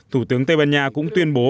thủ tướng tây ban nha cũng tuyên bố